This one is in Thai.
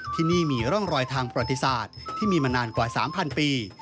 ที่นี่มีร่องรอยทางประวัติศาสตร์ที่มีมานานกว่า๓๐๐ปี